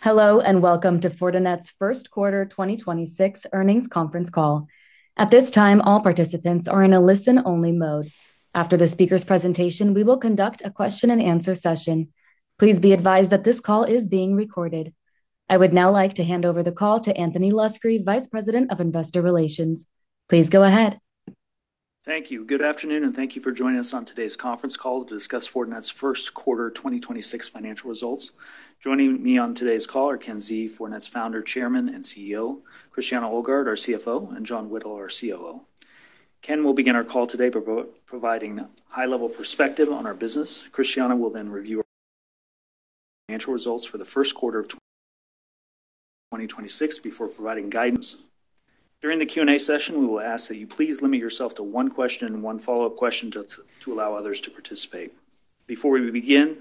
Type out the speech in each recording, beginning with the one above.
Hello, and welcome to Fortinet's 1st quarter 2026 earnings conference call. At this time, all participants are in a listen-only mode. After the speaker's presentation, we will conduct a question-and-answer session. Please be advised that this call is being recorded. I would now like to hand over the call to Anthony Luscri, Vice President of Investor Relations. Please go ahead. Thank you. Good afternoon, and thank you for joining us on today's conference call to discuss Fortinet's first quarter 2026 financial results. Joining me on today's call are Ken Xie, Fortinet's Founder, Chairman, and CEO; Christiane Ohlgart, our CFO; and John Whittle, our COO. Ken will begin our call today providing high-level perspective on our business. Christiane will review our financial results for the first quarter of 2026 before providing guidance. During the Q&A session, we will ask that you please limit yourself to one question and one follow-up question to allow others to participate. Before we begin,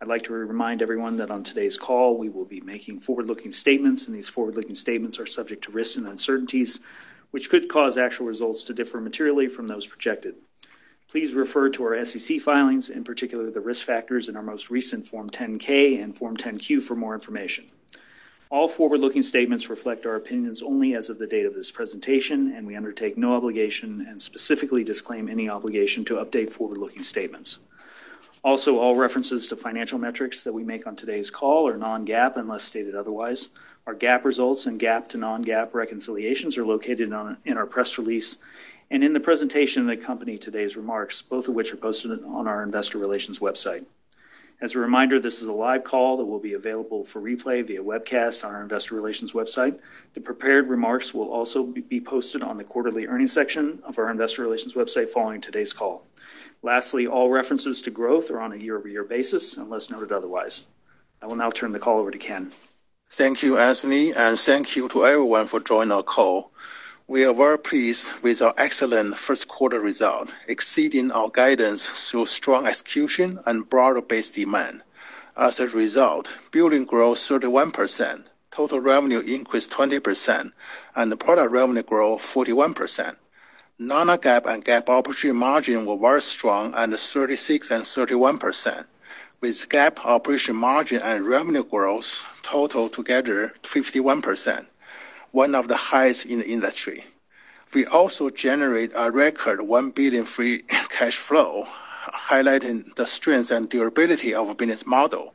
I'd like to remind everyone that on today's call, we will be making forward-looking statements. These forward-looking statements are subject to risks and uncertainties, which could cause actual results to differ materially from those projected. Please refer to our SEC filings, in particular the risk factors in our most recent Form 10-K and Form 10-Q for more information. All forward-looking statements reflect our opinions only as of the date of this presentation. We undertake no obligation and specifically disclaim any obligation to update forward-looking statements. All references to financial metrics that we make on today's call are non-GAAP unless stated otherwise. Our GAAP results and GAAP to non-GAAP reconciliations are located in our press release and in the presentation that accompany today's remarks, both of which are posted on our investor relations website. As a reminder, this is a live call that will be available for replay via webcast on our investor relations website. The prepared remarks will also be posted on the quarterly earnings section of our investor relations website following today's call. Lastly, all references to growth are on a year-over-year basis unless noted otherwise. I will now turn the call over to Ken. Thank you, Anthony, and thank you to everyone for joining our call. We are well pleased with our excellent first quarter result, exceeding our guidance through strong execution and broader-based demand. Billing growth 31%, total revenue increased 20%, and the product revenue grew 41%. Non-GAAP and GAAP operating margin were very strong at 36% and 31%, with GAAP operating margin and revenue growth total together 51%, one of the highest in the industry. We also generate a record $1 billion free cash flow, highlighting the strength and durability of our business model.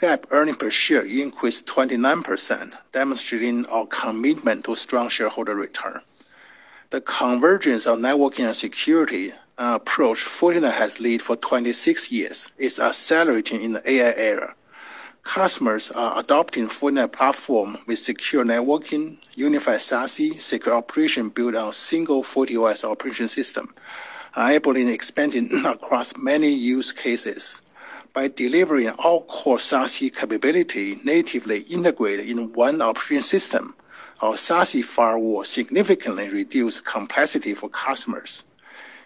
GAAP earnings per share increased 29%, demonstrating our commitment to strong shareholder return. The convergence of networking and security approach Fortinet has led for 26 years is accelerating in the AI era. Customers are adopting Fortinet platform with Secure Networking, Unified SASE, secure operation built on a single FortiOS operating system, enabling expanding across many use cases. By delivering all core SASE capability natively integrated in one operating system, our SASE firewall significantly reduce complexity for customers.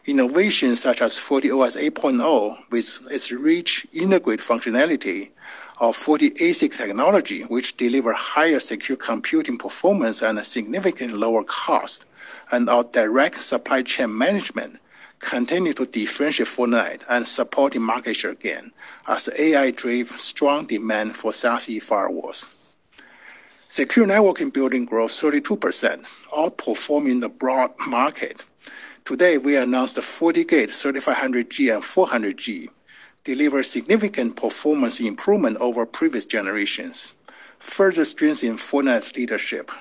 Innovations such as FortiOS 8.0 with its rich integrated functionality, our FortiASIC technology, which deliver higher secure computing performance at a significantly lower cost, and our direct supply chain management continue to differentiate Fortinet and supporting market share gain as AI drive strong demand for SASE firewalls. Secure Networking billings growth 32%, outperforming the broad market. Today, we announced the FortiGate 3500G and 400G deliver significant performance improvement over previous generations, further strengthening Fortinet's leadership.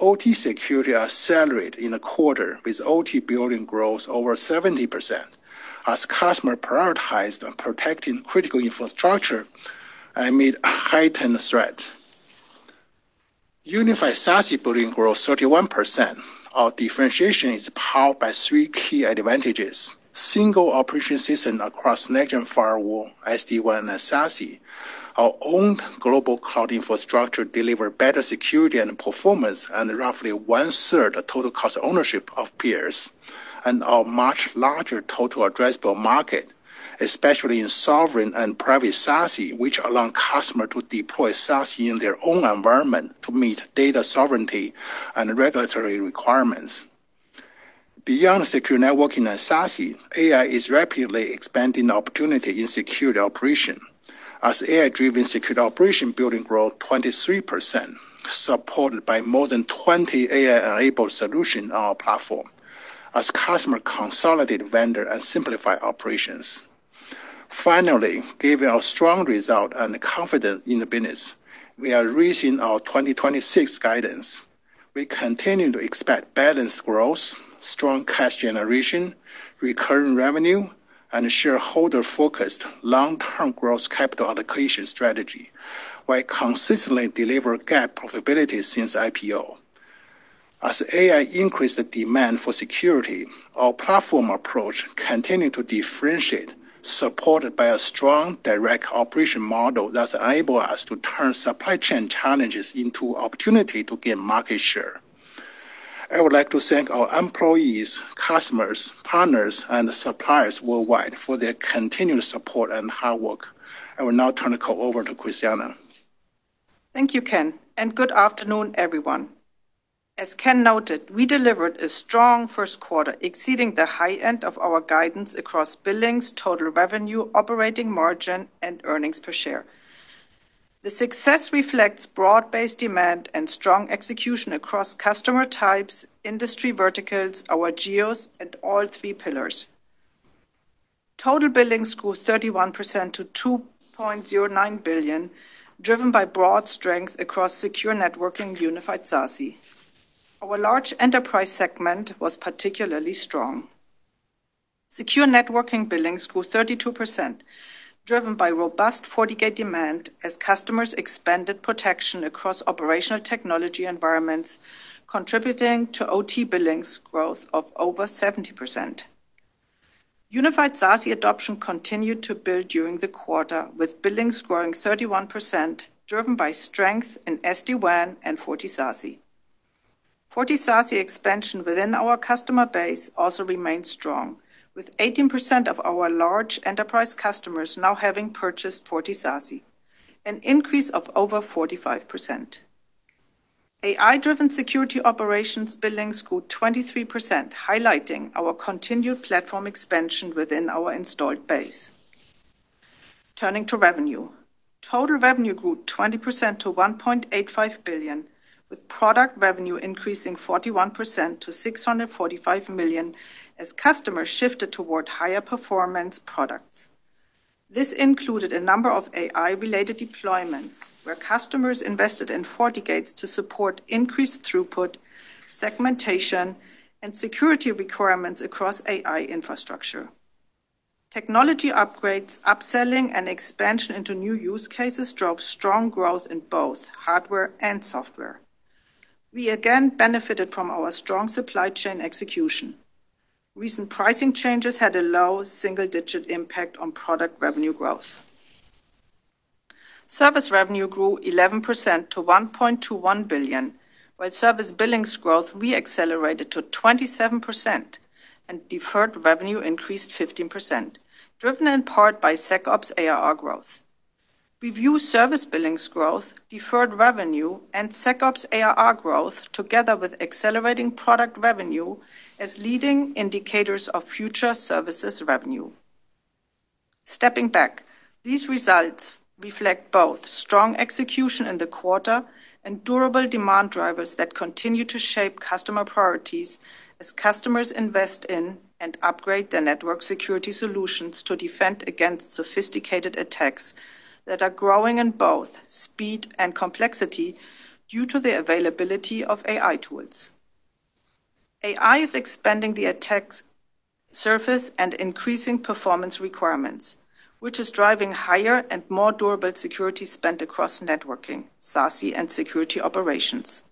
OT security accelerated in the quarter with OT billing growth over 70% as customers prioritized on protecting critical infrastructure amid heightened threats. Unified SASE billing growth 31%. Our differentiation is powered by three key advantages: single operating system across next-gen firewall, SD-WAN, and SASE. Our own global cloud infrastructure delivers better security and performance at roughly one-third total cost of ownership of peers and a much larger total addressable market, especially in sovereign and private SASE, which allow customers to deploy SASE in their own environment to meet data sovereignty and regulatory requirements. Beyond Secure Networking and SASE, AI is rapidly expanding opportunity in security operation as AI-driven security operation billing growth 23%, supported by more than 20 AI-enabled solutions on our platform as customers consolidate vendors and simplify operations. Given our strong results and confidence in the business, we are raising our 2026 guidance. We continue to expect balanced growth, strong cash generation, recurring revenue, and shareholder-focused long-term growth capital allocation strategy while consistently deliver GAAP profitability since IPO. As AI increase the demand for security, our platform approach continue to differentiate, supported by a strong direct operation model that enable us to turn supply chain challenges into opportunity to gain market share. I would like to thank our employees, customers, partners, and suppliers worldwide for their continuous support and hard work. I will now turn the call over to Christiane. Thank you, Ken, and good afternoon, everyone. As Ken noted, we delivered a strong first quarter, exceeding the high end of our guidance across billings, total revenue, operating margin, and earnings per share. The success reflects broad-based demand and strong execution across customer types, industry verticals, our geos, and all three pillars. Total billings grew 31% to $2.09 billion, driven by broad strength across Secure Networking and Unified SASE. Our large enterprise segment was particularly strong. Secure Networking billings grew 32%, driven by robust FortiGate demand as customers expanded protection across operational technology environments, contributing to OT billings growth of over 70%. Unified SASE adoption continued to build during the quarter, with billings growing 31%, driven by strength in SD-WAN and FortiSASE. FortiSASE expansion within our customer base also remains strong, with 18% of our large enterprise customers now having purchased FortiSASE, an increase of over 45%. AI-driven security operations billings grew 23%, highlighting our continued platform expansion within our installed base. Turning to revenue. Total revenue grew 20% to $1.85 billion, with product revenue increasing 41% to $645 million as customers shifted toward higher performance products. This included a number of AI-related deployments where customers invested in FortiGates to support increased throughput, segmentation, and security requirements across AI infrastructure. Technology upgrades, upselling, and expansion into new use cases drove strong growth in both hardware and software. We again benefited from our strong supply chain execution. Recent pricing changes had a low-single digit impact on product revenue growth. Service revenue grew 11% to $1.21 billion, while service billings growth re-accelerated to 27% and deferred revenue increased 15%, driven in part by SecOps ARR growth. We view service billings growth, deferred revenue, and SecOps ARR growth together with accelerating product revenue as leading indicators of future services revenue. Stepping back, these results reflect both strong execution in the quarter and durable demand drivers that continue to shape customer priorities as customers invest in and upgrade their network security solutions to defend against sophisticated attacks that are growing in both speed and complexity due to the availability of AI tools. AI is expanding the attack surface and increasing performance requirements, which is driving higher and more durable security spend across networking, SASE, and security operations.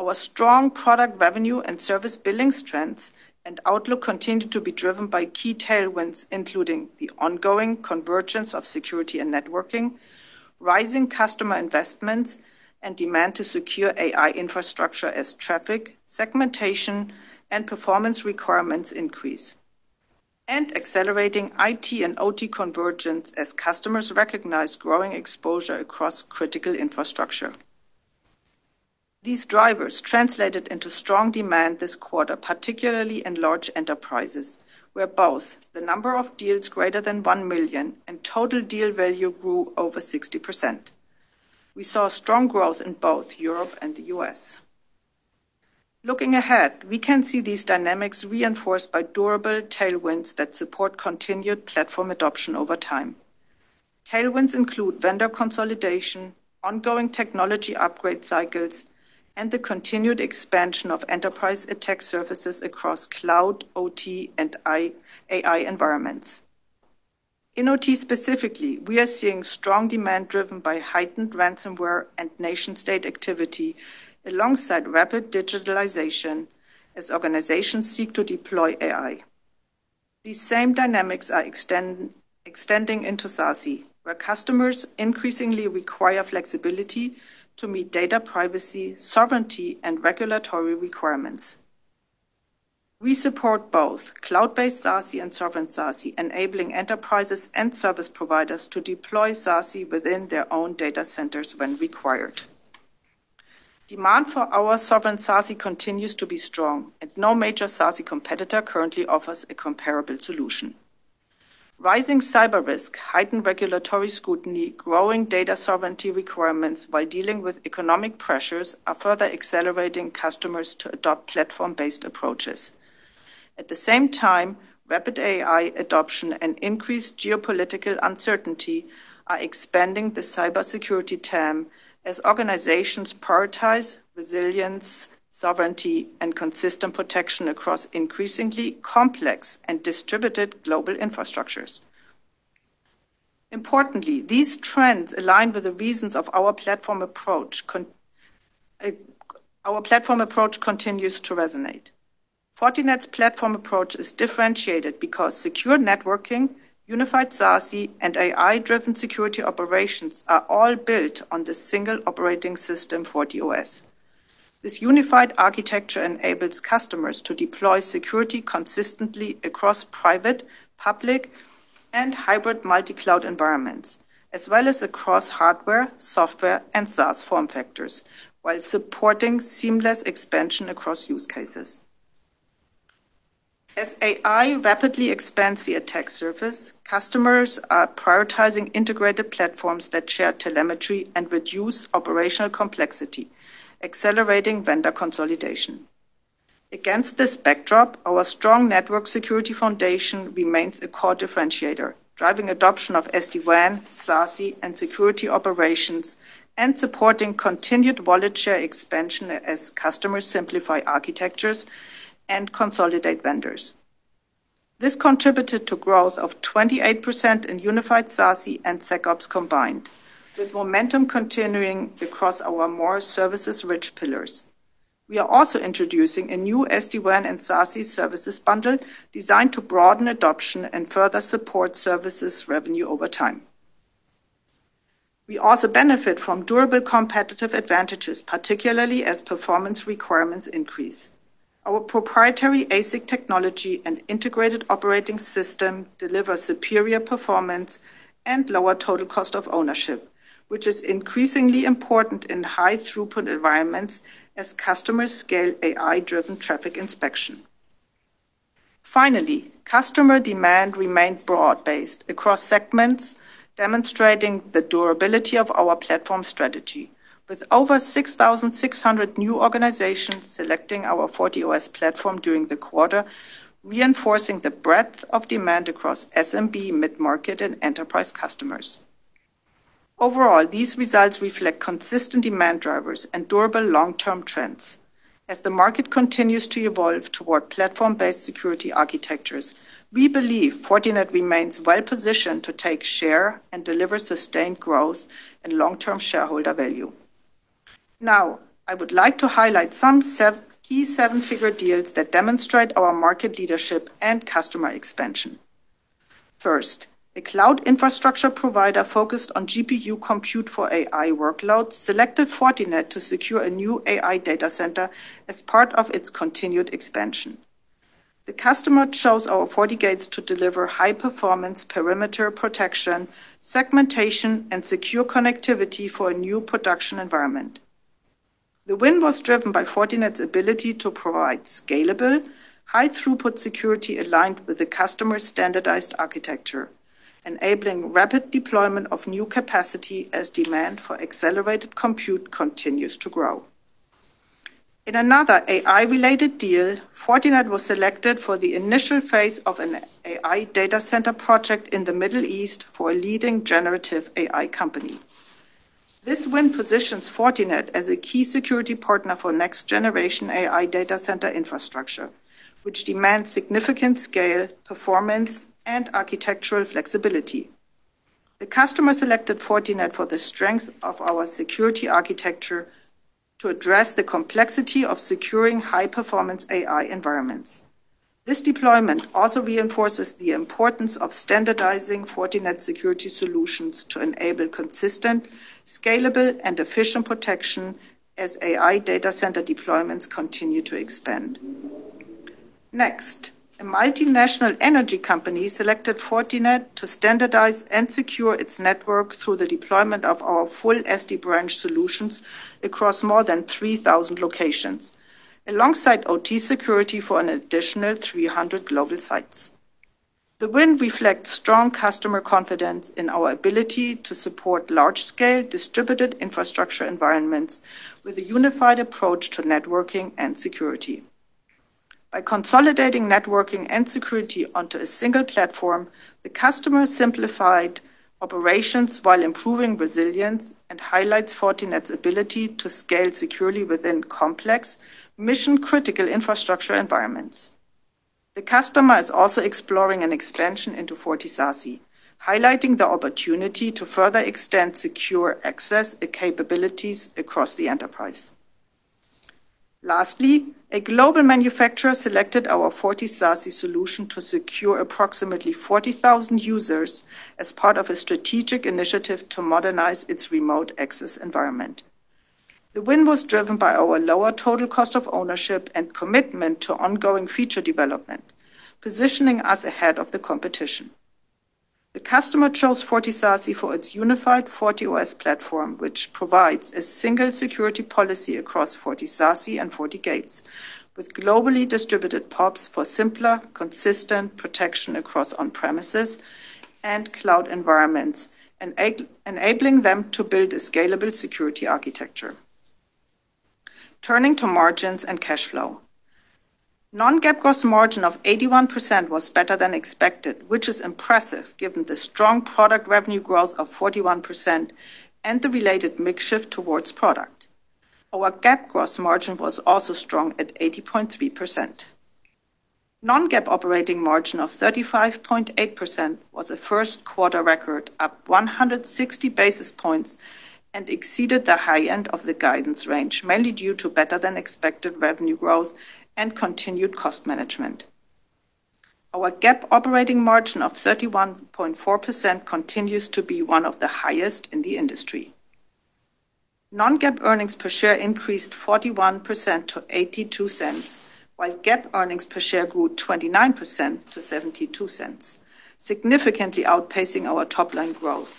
Our strong product revenue and service billing strengths and outlook continue to be driven by key tailwinds, including the ongoing convergence of security and networking, rising customer investments and demand to secure AI infrastructure as traffic, segmentation, and performance requirements increase, and accelerating IT and OT convergence as customers recognize growing exposure across critical infrastructure. These drivers translated into strong demand this quarter, particularly in large enterprises, where both the number of deals greater than $1 million and total deal value grew over 60%. We saw strong growth in both Europe and the U.S. Looking ahead, we can see these dynamics reinforced by durable tailwinds that support continued platform adoption over time. Tailwinds include vendor consolidation, ongoing technology upgrade cycles, and the continued expansion of enterprise attack surfaces across cloud, OT, and AI environments. In OT specifically, we are seeing strong demand driven by heightened ransomware and nation-state activity alongside rapid digitalization as organizations seek to deploy AI. These same dynamics are extending into SASE, where customers increasingly require flexibility to meet data privacy, sovereignty, and regulatory requirements. We support both cloud-based SASE and sovereign SASE, enabling enterprises and service providers to deploy SASE within their own data centers when required. Demand for our sovereign SASE continues to be strong. No major SASE competitor currently offers a comparable solution. Rising cyber risk, heightened regulatory scrutiny, growing data sovereignty requirements while dealing with economic pressures are further accelerating customers to adopt platform-based approaches. At the same time, rapid AI adoption and increased geopolitical uncertainty are expanding the cybersecurity TAM as organizations prioritize resilience, sovereignty, and consistent protection across increasingly complex and distributed global infrastructures. Importantly, these trends align with our platform approach continues to resonate. Fortinet's platform approach is differentiated because Secure Networking, Unified SASE, and AI-driven security operations are all built on the single operating system, FortiOS. This unified architecture enables customers to deploy security consistently across private, public, and hybrid multi-cloud environments, as well as across hardware, software, and SaaS form factors, while supporting seamless expansion across use cases. As AI rapidly expands the attack surface, customers are prioritizing integrated platforms that share telemetry and reduce operational complexity, accelerating vendor consolidation. Against this backdrop, our strong network security foundation remains a core differentiator, driving adoption of SD-WAN, SASE, and security operations, and supporting continued wallet share expansion as customers simplify architectures and consolidate vendors. This contributed to growth of 28% in Unified SASE and SecOps combined, with momentum continuing across our more services-rich pillars. We are also introducing a new SD-WAN and SASE services bundle designed to broaden adoption and further support services revenue over time. We also benefit from durable competitive advantages, particularly as performance requirements increase. Our proprietary ASIC technology and integrated operating system deliver superior performance and lower total cost of ownership, which is increasingly important in high throughput environments as customers scale AI-driven traffic inspection. Finally, customer demand remained broad-based across segments demonstrating the durability of our platform strategy, with over 6,600 new organizations selecting our FortiOS platform during the quarter, reinforcing the breadth of demand across SMB, mid-market, and enterprise customers. Overall, these results reflect consistent demand drivers and durable long-term trends. As the market continues to evolve toward platform-based security architectures, we believe Fortinet remains well-positioned to take share and deliver sustained growth and long-term shareholder value. I would like to highlight some key 7-figure deals that demonstrate our market leadership and customer expansion. A cloud infrastructure provider focused on GPU compute for AI workloads selected Fortinet to secure a new AI data center as part of its continued expansion. The customer chose our FortiGates to deliver high-performance perimeter protection, segmentation, and secure connectivity for a new production environment. The win was driven by Fortinet's ability to provide scalable, high-throughput security aligned with the customer's standardized architecture, enabling rapid deployment of new capacity as demand for accelerated compute continues to grow. In another AI-related deal, Fortinet was selected for the initial phase of an AI data center project in the Middle East for a leading generative AI company. This win positions Fortinet as a key security partner for next-generation AI data center infrastructure, which demands significant scale, performance, and architectural flexibility. The customer selected Fortinet for the strength of our security architecture to address the complexity of securing high-performance AI environments. This deployment also reinforces the importance of standardizing Fortinet security solutions to enable consistent, scalable, and efficient protection as AI data center deployments continue to expand. Next, a multinational energy company selected Fortinet to standardize and secure its network through the deployment of our full SD-Branch solutions across more than 3,000 locations, alongside OT security for an additional 300 global sites. The win reflects strong customer confidence in our ability to support large-scale distributed infrastructure environments with a unified approach to networking and security. By consolidating networking and security onto a single platform, the customer simplified operations while improving resilience and highlights Fortinet's ability to scale securely within complex mission-critical infrastructure environments. The customer is also exploring an expansion into FortiSASE, highlighting the opportunity to further extend secure access and capabilities across the enterprise. A global manufacturer selected our FortiSASE solution to secure approximately 40,000 users as part of a strategic initiative to modernize its remote access environment. The win was driven by our lower total cost of ownership and commitment to ongoing feature development, positioning us ahead of the competition. The customer chose FortiSASE for its unified FortiOS platform, which provides a single security policy across FortiSASE and FortiGates with globally distributed POPs for simpler, consistent protection across on-premises and cloud environments enabling them to build a scalable security architecture. Turning to margins and cash flow. Non-GAAP gross margin of 81% was better than expected, which is impressive given the strong product revenue growth of 41% and the related mix shift towards product. Our GAAP gross margin was also strong at 80.3%. Non-GAAP operating margin of 35.8% was a first quarter record, up 160 basis points and exceeded the high end of the guidance range, mainly due to better than expected revenue growth and continued cost management. Our GAAP operating margin of 31.4% continues to be one of the highest in the industry. Non-GAAP earnings per share increased 41% to $0.82, while GAAP earnings per share grew 29% to $0.72, significantly outpacing our top line growth,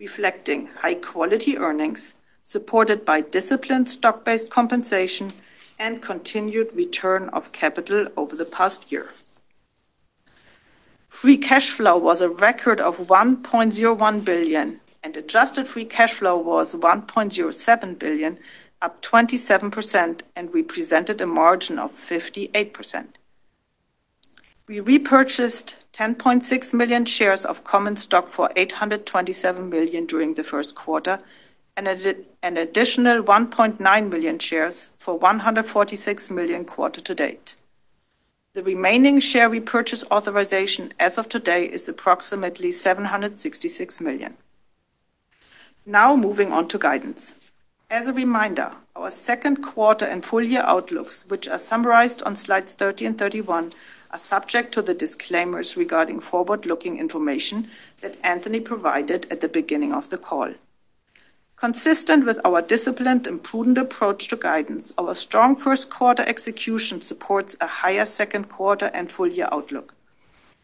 reflecting high quality earnings supported by disciplined stock-based compensation and continued return of capital over the past year. Free cash flow was a record of $1.01 billion, and adjusted free cash flow was $1.07 billion, up 27%, and represented a margin of 58%. We repurchased 10.6 million shares of common stock for $827 million during the first quarter and an additional 1.9 million shares for $146 million quarter-to-date. The remaining share repurchase authorization as of today is approximately $766 million. Moving on to guidance. As a reminder, our second quarter and full year outlooks, which are summarized on slides 30 and 31, are subject to the disclaimers regarding forward-looking information that Anthony provided at the beginning of the call. Consistent with our disciplined and prudent approach to guidance, our strong first quarter execution supports a higher second quarter and full year outlook.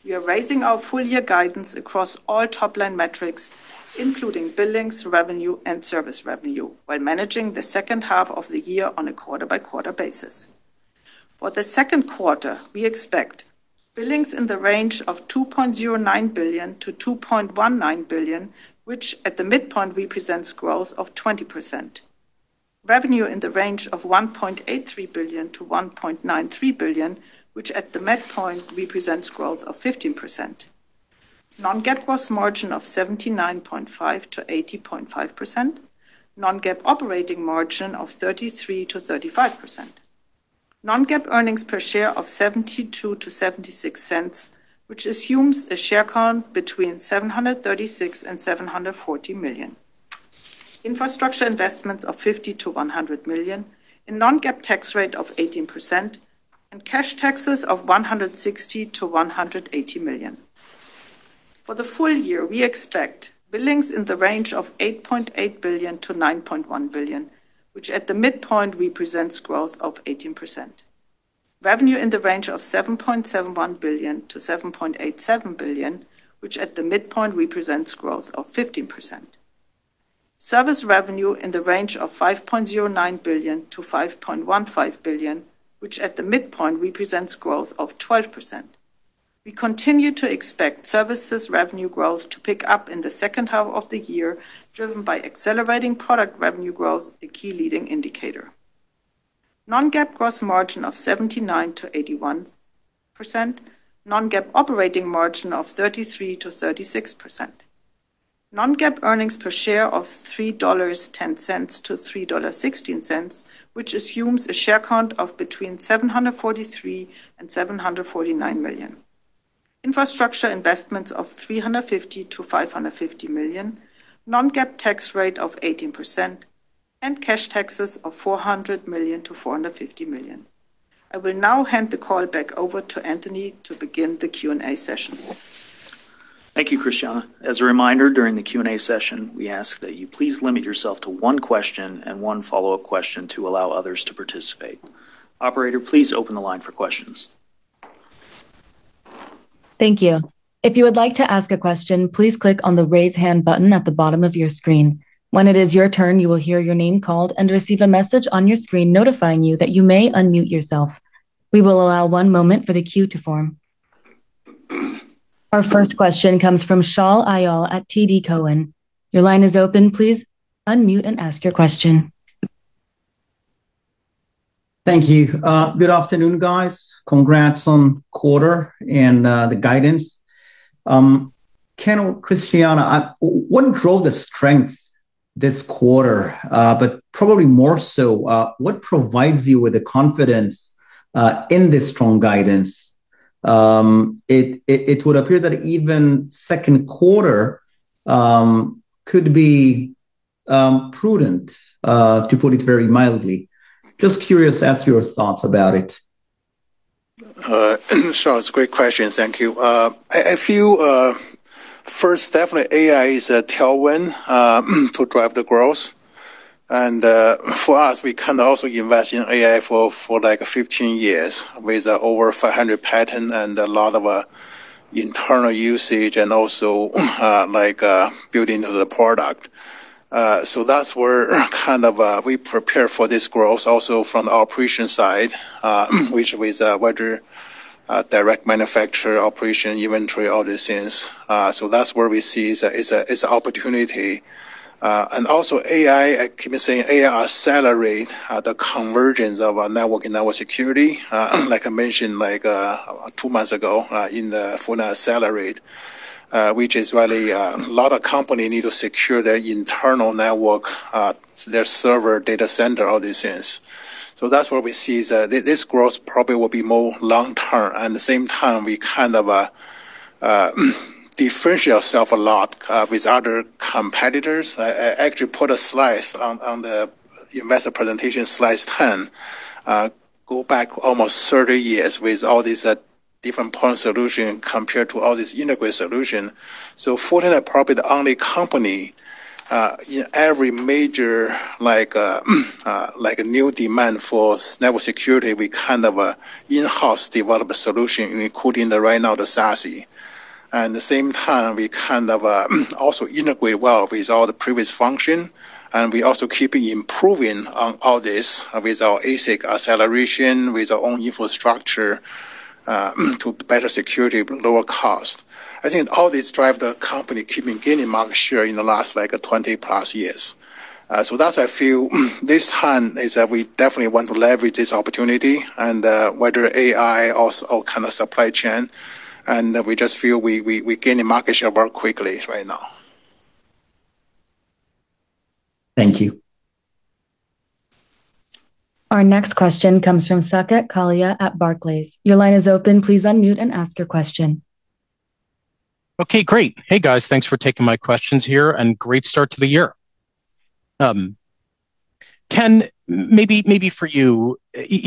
We are raising our full year guidance across all top line metrics, including billings, revenue and service revenue, while managing the second half of the year on a quarter-by-quarter basis. For the second quarter, we expect billings in the range of $2.09 billion-$2.19 billion, which at the midpoint represents growth of 20%. Revenue in the range of $1.83 billion-$1.93 billion, which at the midpoint represents growth of 15%. Non-GAAP gross margin of 79.5%-80.5%. Non-GAAP operating margin of 33%-35%. Non-GAAP earnings per share of $0.72-$0.76, which assumes a share count between 736 million and 740 million. Infrastructure investments of $50 million-$100 million. A non-GAAP tax rate of 18% and cash taxes of $160 million-$180 million. For the full year, we expect billings in the range of $8.8 billion-$9.1 billion, which at the midpoint represents growth of 18%. Revenue in the range of $7.71 billion-$7.87 billion, which at the midpoint represents growth of 15%. Service revenue in the range of $5.09 billion-$5.15 billion, which at the midpoint represents growth of 12%. We continue to expect services revenue growth to pick up in the second half of the year, driven by accelerating product revenue growth, a key leading indicator. Non-GAAP gross margin of 79%-81%. Non-GAAP operating margin of 33%-36%. Non-GAAP earnings per share of $3.10-$3.16, which assumes a share count of between 743 and 749 million. Infrastructure investments of $350 million-$550 million. non-GAAP tax rate of 18% and cash taxes of $400 million-$450 million. I will now hand the call back over to Anthony to begin the Q&A session. Thank you, Christiane. As a reminder, during the Q&A session, we ask that you please limit yourself to one question and one follow-up question to allow others to participate. Operator, please open the line for questions. Thank you. If you would like to ask a question, please click on the raise hand button at the bottom of your screen. When it is your turn, you will hear your name called and receive a message on your screen notifying you that you may unmute yourself. We will allow one moment for the queue to form. Our first question comes from Shaul Eyal at TD Cowen. Your line is open. Please unmute and ask your question. Thank you. Good afternoon, guys. Congrats on quarter and the guidance. Ken or Christiane, what drove the strength this quarter? Probably more so, what provides you with the confidence in this strong guidance? It would appear that even second quarter could be prudent to put it very mildly. Just curious as to your thoughts about it. Shaul, it's a great question. Thank you. I feel, first, definitely AI is a tailwind to drive the growth. For us, we can also invest in AI for 15 years with over 500 patent and a lot of internal usage and also like building the product. That's where kind of we prepare for this growth also from the operation side, which with whether direct manufacturer operation, inventory, all these things. That's where we see it's an opportunity. Also AI, I keep saying AI accelerate the convergence of our network and network security. Like I mentioned, like, two months ago, in the forum, this accelerates, which is really, a lot of company need to secure their internal network, their server data center, all these things. That's where we see is that this growth probably will be more long-term. At the same time, we kind of, differentiate ourself a lot, with other competitors. I actually put a slide on the investor presentation, slide 10. Go back almost 30 years with all these, different point solution compared to all this integrated solution. Fortinet probably the only company in every major, like new demand for network security, we kind of, in-house develop a solution, including the right now the SASE. The same time, we kind of, also integrate well with all the previous function, and we also keeping improving on all this with our ASIC acceleration, with our own infrastructure, to better security, lower cost. I think all this drive the company keeping gaining market share in the last, like 20+ years. That's I feel this time is that we definitely want to leverage this opportunity and, whether AI also or kind of supply chain, and we just feel we gaining market share very quickly right now. Thank you. Our next question comes from Saket Kalia at Barclays. Your line is open. Please unmute and ask your question. Okay, great. Hey, guys, thanks for taking my questions here and great start to the year. Ken, maybe for you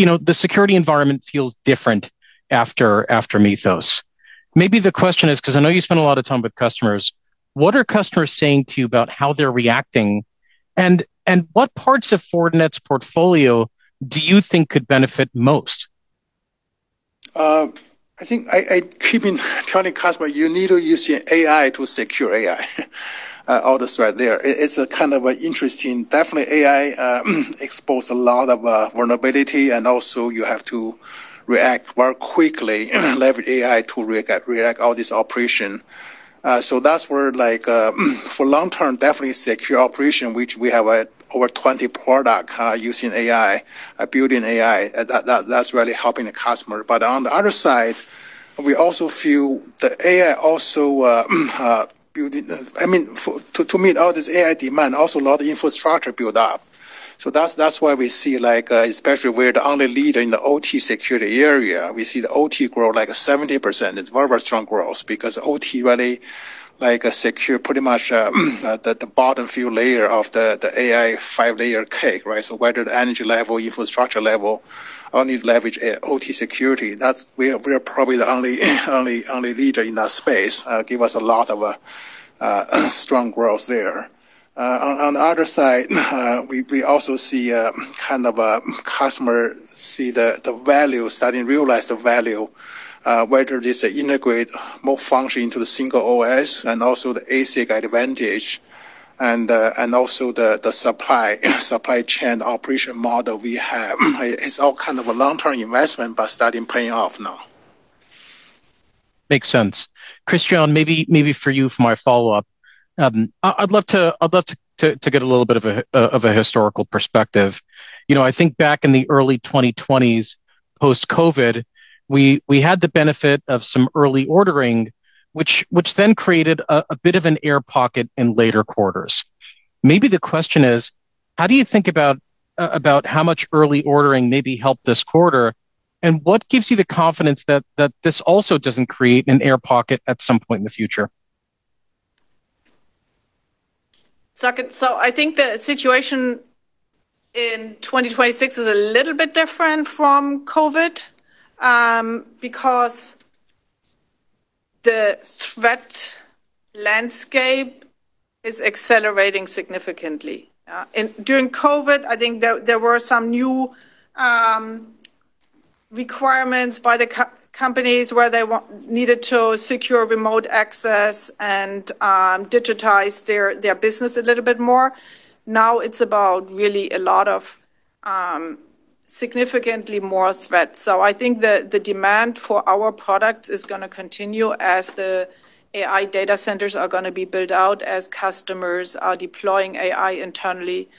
know, the security environment feels different after Mythos. Maybe the question is, because I know you spend a lot of time with customers, what are customers saying to you about how they're reacting, and what parts of Fortinet's portfolio do you think could benefit most? I think I keep on telling customer, you need to use your AI to secure AI. All this right there. It's interesting definitely AI expose a lot of vulnerability and also you have to react very quickly and leverage AI to react all this operation. That's where for long term, definitely secure operation, which we have over 20 product using AI, building AI. That's really helping the customer. On the other side, we also feel the AI also building I mean, to meet all this AI demand, also a lot of infrastructure build up. That's why we see especially we're the only leader in the OT security area. We see the OT grow like 70%. It's very strong growth because OT really like secure pretty much the bottom few layer of the AI 5-layer cake, right? Whether the energy level, infrastructure level, all need to leverage OT security. That's. We are probably the only leader in that space. Give us a lot of strong growth there. On the other side, we also see kind of a customer see the value, starting to realize the value, whether this integrate more function into the single OS and also the ASIC advantage and also the supply chain operation model we have. It's all kind of a long-term investment, but starting paying off now. Makes sense. Christiane, maybe for you for my follow-up. I'd love to get a little bit of a historical perspective. You know, I think back in the early 2020s, post-COVID, we had the benefit of some early ordering, which then created a bit of an air pocket in later quarters. Maybe the question is, how do you think about how much early ordering maybe helped this quarter? What gives you the confidence that this also doesn't create an air pocket at some point in the future? Saket, I think the situation in 2026 is a little bit different from COVID because the threat landscape is accelerating significantly. During COVID, I think there were some new requirements by the companies where they needed to secure remote access and digitize their business a little bit more. Now it's about really a lot of significantly more threat. I think the demand for our product is gonna continue as the AI data centers are gonna be built out as customers are deploying AI internally.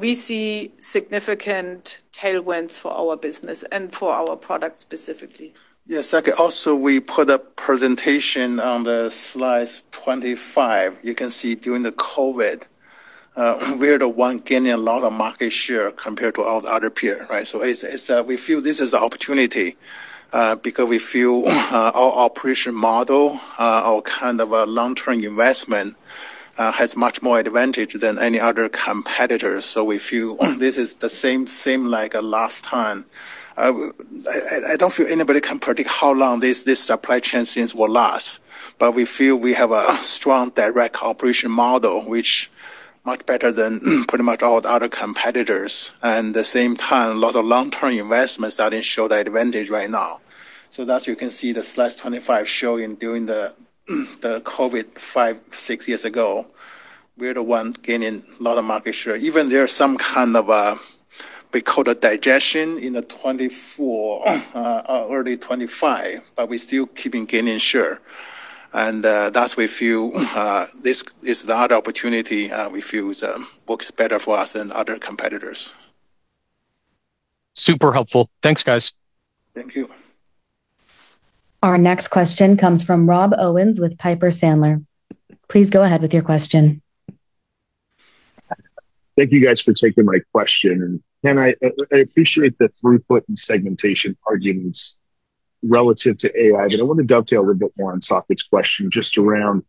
We see significant tailwinds for our business and for our product specifically. Yeah, Saket, also we put a presentation on the slide 25. You can see during the COVID, we're the one gaining a lot of market share compared to all the other peer, right? It's, we feel this is an opportunity because we feel our operation model, our kind of a long-term investment, has much more advantage than any other competitors. We feel this is the same like last time. I don't feel anybody can predict how long this supply chain things will last, we feel we have a strong direct cooperation model, which much better than pretty much all the other competitors. The same time, a lot of long-term investments starting to show the advantage right now. That you can see the slide 25 showing during the COVID five, six years ago, we're the one gaining a lot of market share. Even there are some kind of, we call it a digestion in the 2024, early 2025, but we still keeping gaining share. That we feel, this is the hard opportunity, we feel is, works better for us than other competitors. Super helpful. Thanks, guys. Thank you. Our next question comes from Rob Owens with Piper Sandler. Please go ahead with your question. Thank you guys for taking my question. Ken, I appreciate the throughput and segmentation arguments relative to AI, but I want to dovetail a little bit more on Saket's question just around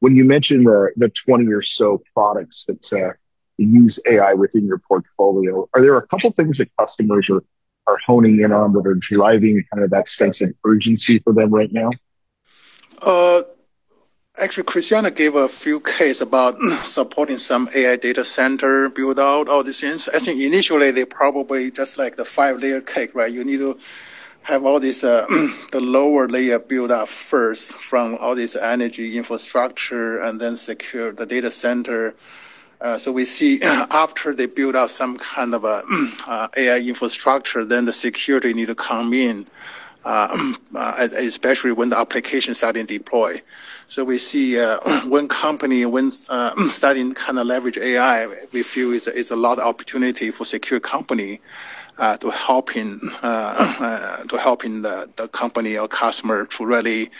when you mentioned the 20 or so products that use AI within your portfolio. Are there a couple of things that customers are honing in on that are driving kind of that sense of urgency for them right now? Actually, Christiane gave a few case about supporting some AI data center build out all these things. I think initially they probably just like the 5-layer cake, right? You need to have all these, the lower layer build up first from all this energy infrastructure and then secure the data center. We see after they build out some kind of an AI infrastructure, then the security need to come in, especially when the application starting deploy. We see, one company when starting kind of leverage AI, we feel it's a lot of opportunity for secure company, to helping the company or customer to really,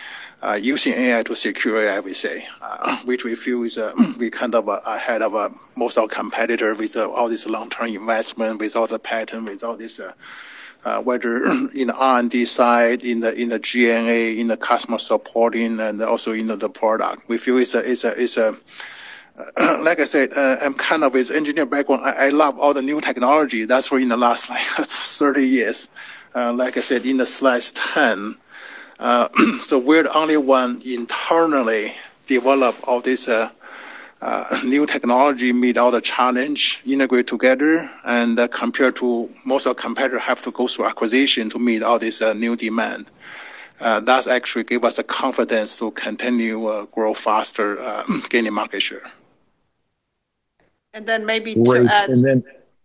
using AI to secure AI, we say. Which we feel is, we kind of ahead of most of our competitor with all this long-term investment, with all the patent, with all this, whether, you know, R&D side, in the G&A, in the customer supporting, and also in the product. We feel it's a like I said, I'm kind of with engineering background. I love all the new technology. That's why in the last, like, 30 years, like I said, in the slide 10. So we're the only one internally develop all this new technology, meet all the challenge, integrate together, and compared to most of competitor have to go through acquisition to meet all this new demand. That actually give us the confidence to continue grow faster, gaining market share. And then maybe to add. Great.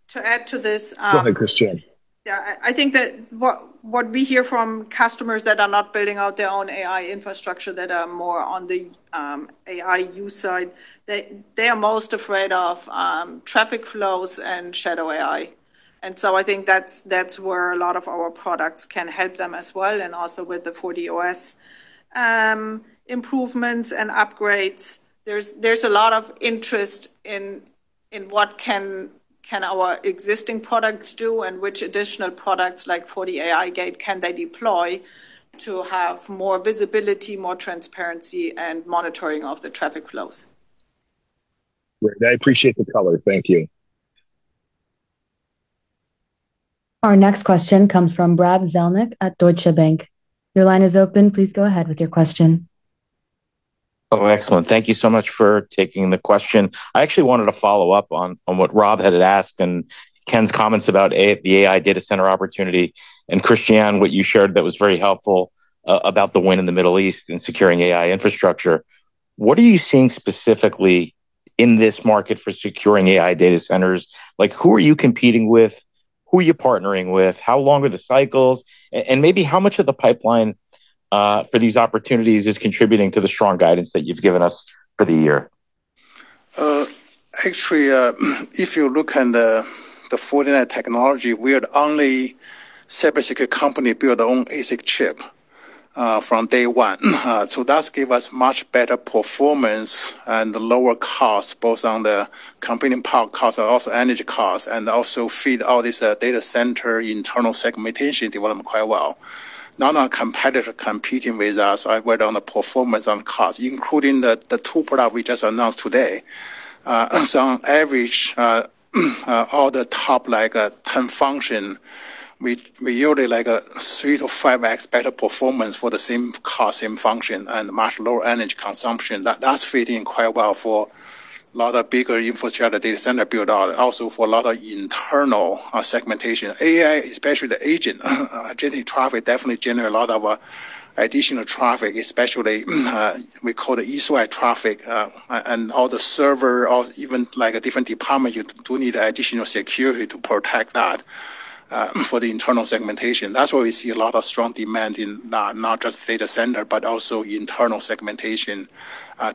To add to this. Go ahead, Christiane. Yeah. I think that what we hear from customers that are not building out their own AI infrastructure that are more on the AI use side, they are most afraid of traffic flows and shadow AI. I think that's where a lot of our products can help them as well, and also with the FortiOS improvements and upgrades. There's a lot of interest in what can our existing products do and which additional products like FortiAIGate can they deploy to have more visibility, more transparency, and monitoring of the traffic flows. Great. I appreciate the color. Thank you. Our next question comes from Brad Zelnick at Deutsche Bank. Your line is open. Please go ahead with your question. Oh, excellent. Thank you so much for taking the question. I actually wanted to follow up on what Rob had asked and Ken's comments about the AI data center opportunity and Christiane, what you shared that was very helpful about the win in the Middle East in securing AI infrastructure. What are you seeing specifically in this market for securing AI data centers? Like, who are you competing with? Who are you partnering with? How long are the cycles? Maybe how much of the pipeline for these opportunities is contributing to the strong guidance that you've given us for the year? Actually, if you look in the Fortinet technology, we are the only cybersecurity company build their own ASIC chip from day one. That give us much better performance and lower cost, both on the computing power cost and also energy cost, and also feed all this data center internal segmentation development quite well. None of competitor competing with us, whether on the performance, on cost, including the two product we just announced today. On average, all the top like 10 function, we usually like 3x-5x better performance for the same cost, same function, and much lower energy consumption. That's fitting quite well for a lot of bigger infrastructure data center build out, and also for a lot of internal segmentation. AI, especially the AI-generated traffic, definitely generate a lot of additional traffic, especially, we call it east-west traffic, and all the server or even like a different department, you do need additional security to protect that, for the internal segmentation. That's why we see a lot of strong demand in not just data center, but also internal segmentation,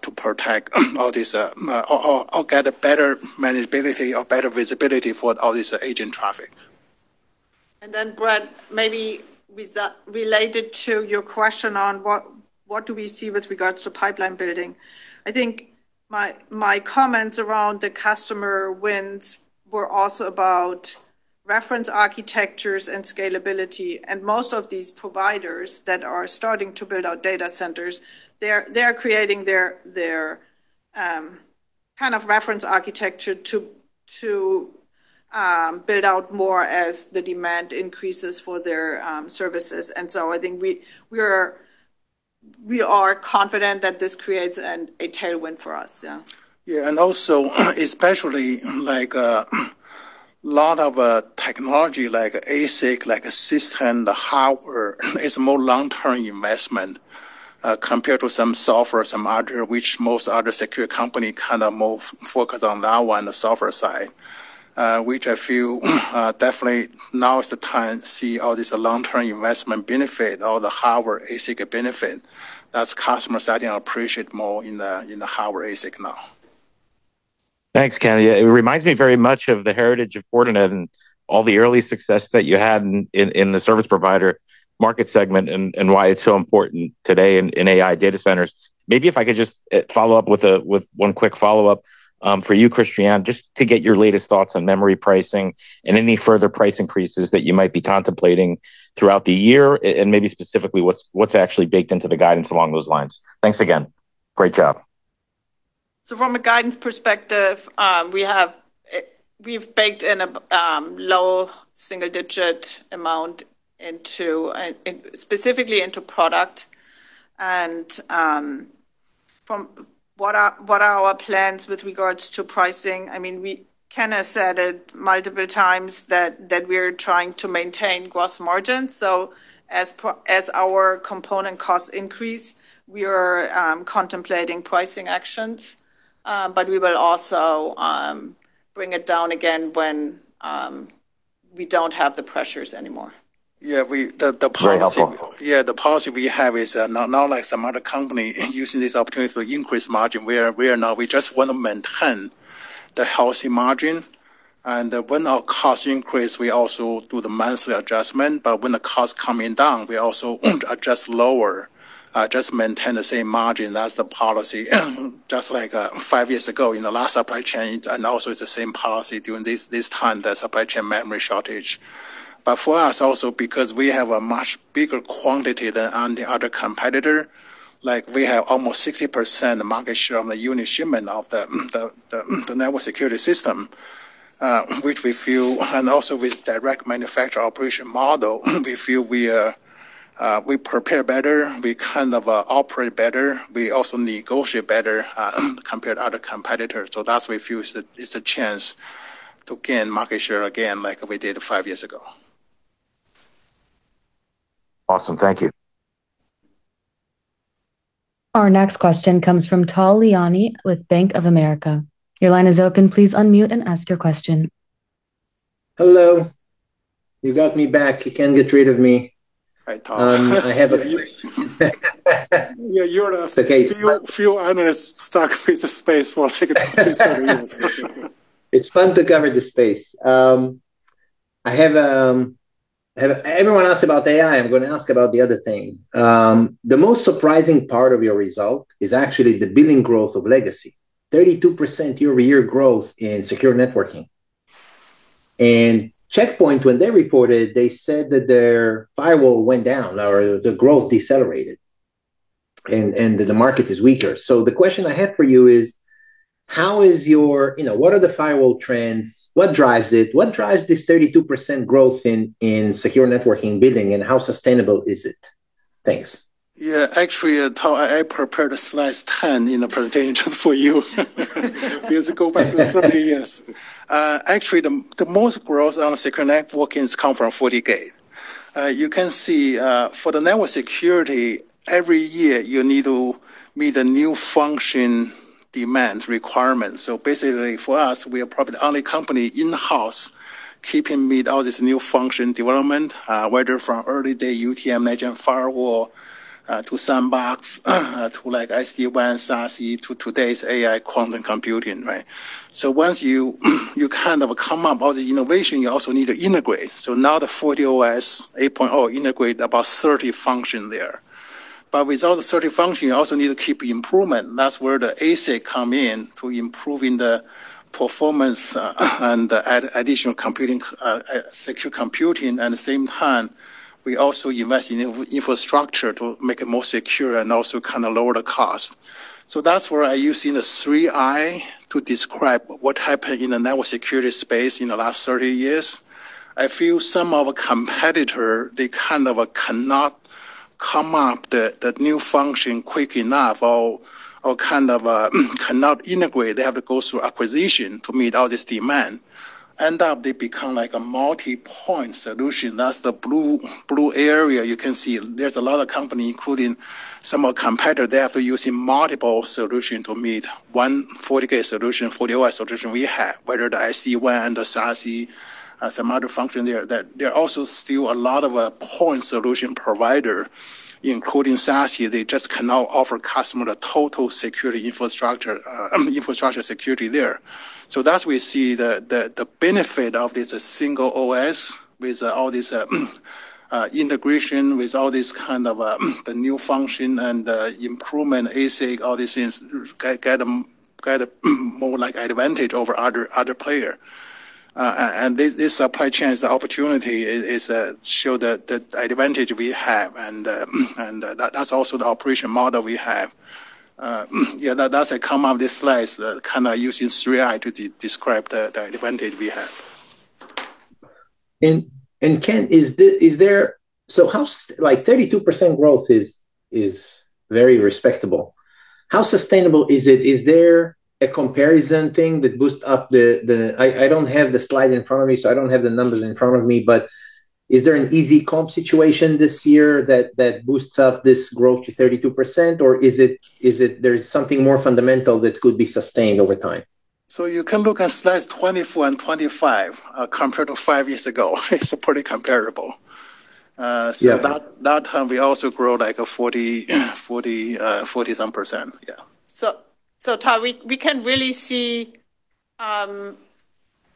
to protect all this, or get a better manageability or better visibility for all this agent traffic. Brad, maybe with that related to your question on what do we see with regards to pipeline building? I think my comments around the customer wins were also about reference architectures and scalability. Most of these providers that are starting to build out data centers, they're creating their kind of reference architecture to build out more as the demand increases for their services. I think we are confident that this creates a tailwind for us. Yeah. Yeah. Especially like, lot of technology like ASIC, like system, the hardware is more long-term investment, compared to some software, some other, which most other security company kind of more focus on that one, the software side. Which I feel, definitely now is the time to see all this long-term investment benefit, all the hardware ASIC benefit. That's customers starting to appreciate more in the hardware ASIC now. Thanks, Ken. Yeah, it reminds me very much of the heritage of Fortinet and all the early success that you had in the service provider market segment and why it's so important today in AI data centers. Maybe if I could just follow up with one quick follow-up for you, Christiane, just to get your latest thoughts on memory pricing and any further price increases that you might be contemplating throughout the year and maybe specifically what's actually baked into the guidance along those lines. Thanks again. Great job. From a guidance perspective, we have, we've baked in a low-single digit amount specifically into product. From what are our plans with regards to pricing, I mean, Ken has said it multiple times that we're trying to maintain gross margin. As our component costs increase, we are contemplating pricing actions. We will also bring it down again when we don't have the pressures anymore. Yeah, the policy. Great. No problem. Yeah, the policy we have is not like some other company in using this opportunity to increase margin. We are not. We just wanna maintain the healthy margin. When our costs increase, we also do the monthly adjustment. When the costs coming down, we also won't adjust lower, just maintain the same margin. That's the policy, just like five years ago in the last supply chain, and also it's the same policy during this time, the supply chain memory shortage. For us also because we have a much bigger quantity than the other competitor. Like we have almost 60% market share on the unit shipment of the network security system, which we feel And also with direct manufacturer operation model, we feel we are, we prepare better, we kind of operate better. We also negotiate better, compared to other competitors. That's we feel is the chance to gain market share again like we did five years ago. Awesome. Thank you. Our next question comes from Tal Liani with Bank of America. Your line is open. Please unmute and ask your question. Hello. You got me back. You can't get rid of me. Hi, Tal. I have a question. Yeah, you're the. Okay. Few analysts stuck with the space for like 30 some years. It's fun to cover this space. I have everyone asked about AI. I'm gonna ask about the other thing. The most surprising part of your result is actually the billing growth of legacy. 32% year-over-year growth in Secure Networking. Check Point, when they reported, they said that their firewall went down or the growth decelerated and the market is weaker. The question I have for you is. You know, what are the firewall trends? What drives it? What drives this 32% growth in Secure Networking billing, and how sustainable is it? Thanks. Yeah. Actually, Tal, I prepared slide 10 in the presentation for you. You have to go back to 30 years. Actually, the most growth on Secure Networking come from FortiGate. You can see, for the network security, every year you need to meet a new function demand requirement. Basically, for us, we are probably the only company in-house keeping meet all this new function development, whether from early day UTM, next-gen firewall, to sandbox, to like SD-WAN, SASE, to today's AI quantum computing, right? Once you kind of come up all the innovation, you also need to integrate. Now the FortiOS 8.0 integrate about 30 function there. Without the 30 function, you also need to keep improvement. That's where the ASIC come in to improving the performance and additional secure computing. At the same time, we also invest in infrastructure to make it more secure and also kind of lower the cost. That's where I use, you know, three I's to describe what happened in the network security space in the last 30 years. I feel some of our competitor, they kind of cannot come up the new function quick enough or kind of cannot integrate. They have to go through acquisition to meet all this demand. End up, they become like a multi-point solution. That's the blue area you can see. There's a lot of company, including some of competitor, they have to using multiple solution to meet one FortiGate solution, FortiOS solution we have, whether the SD-WAN, the SASE, some other function there. There are also still a lot of point solution provider, including SASE. They just cannot offer customer the total security infrastructure security there. That's we see the benefit of this single OS with all this integration, with all this kind of the new function and improvement, ASIC, all these things. Get a more like advantage over other player. This supply chains, the opportunity is show the advantage we have. That's also the operation model we have. Yeah, that's I come up this slide, kind of using three I's to describe the advantage we have. Ken, like, 32% growth is very respectable. How sustainable is it? Is there a comparison thing that boost up the I don't have the slide in front of me, so I don't have the numbers in front of me. Is there an easy comp situation this year that boosts up this growth to 32%? Is it there's something more fundamental that could be sustained over time? You can look at slides 24 and 25, compared to five years ago. It's pretty comparable. Yeah. That time we also grow like a 40% some. Yeah. Tal, we can really see